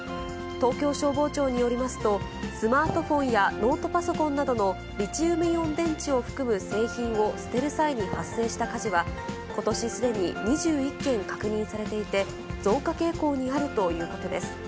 東京消防庁によりますと、スマートフォンやノートパソコンなどのリチウムイオン電池を含む製品を捨てる際に発生した火事は、ことしすでに２１件確認されていて、増加傾向にあるということです。